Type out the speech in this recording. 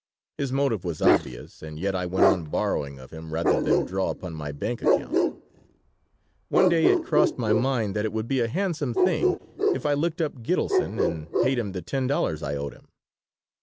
His motive was obvious, and yet I went on borrowing of him rather than draw upon my bank account One day it crossed my mind that it would be a handsome thing if I looked up Gitelson and paid him the ten dollars I owed him.